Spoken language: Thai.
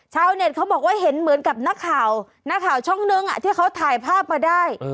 เน็ตเขาบอกว่าเห็นเหมือนกับนักข่าวนักข่าวช่องนึงที่เขาถ่ายภาพมาได้